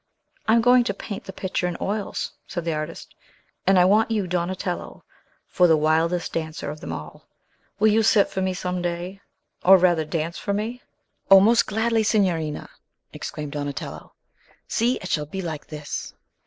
"I am going to paint the picture in oils," said the artist; "and I want you, Donatello, for the wildest dancer of them all. Will you sit for me, some day? or, rather, dance for me?" "O, most gladly, signorina!" exclaimed Donatello. "See; it shall be like this."